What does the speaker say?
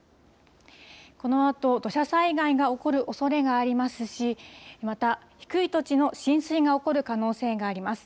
このあと、土砂災害が起こるおそれがありますし、また低い土地の浸水が起こる可能性があります。